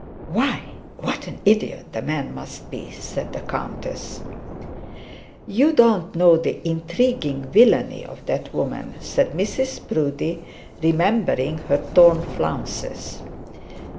'Why what an idiot the man must be!' said the countess. 'You don't know the intriguing villainy of that woman,' said Mrs Proudie, remembering her own torn flounces.